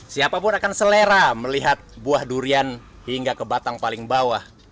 siapapun akan selera melihat buah durian hingga ke batang paling bawah